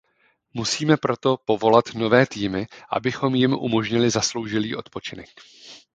Musíme proto povolat nové týmy, abychom jim umožnili zasloužilý odpočinek.